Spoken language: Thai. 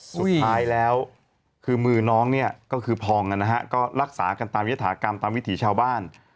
สุดท้ายแล้วคือมือน้องเนี่ยก็คือพองนะฮะก็รักษากันตามยฐากรรมตามวิถีชาวบ้าน